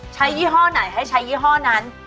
ยี่ห้อไหนให้ใช้ยี่ห้อนั้น